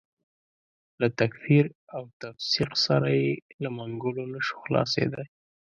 له تکفیر او تفسیق سره یې له منګولو نه شو خلاصېدای.